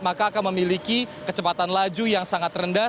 maka akan memiliki kecepatan laju yang sangat rendah